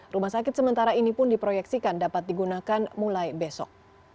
rumah sakit sementara ini pun diproyeksikan dapat digunakan mulai besok